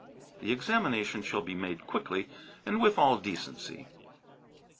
The examination shall be made quickly and with all decency.